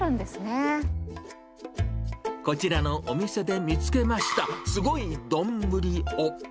こちらのお店で見つけました、すごい丼を。